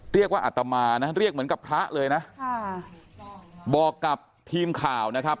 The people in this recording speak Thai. อัตมานะเรียกเหมือนกับพระเลยนะค่ะบอกกับทีมข่าวนะครับ